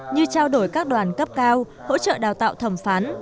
như trao đổi các đoàn cấp cao hỗ trợ đào tạo thẩm phán